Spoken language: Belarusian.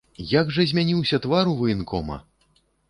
Як жа змяніўся твар у ваенкома!